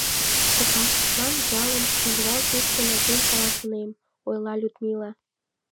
— Пытартышлан ялын тӱжвал тӱсшӧ нерген каласынем, — ойла Людмила.